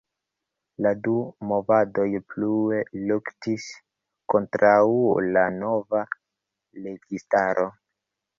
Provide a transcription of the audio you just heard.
La du movadoj plue luktis kontraŭ la nova registaro.